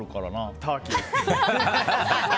ターキー。